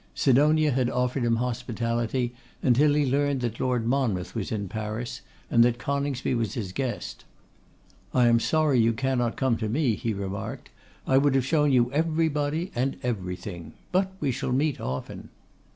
Sidonia had offered him hospitality, until he learned that Lord Monmouth was in Paris, and that Coningsby was his guest. 'I am sorry you cannot come to me,' he remarked; 'I would have shown you everybody and everything. But we shall meet often.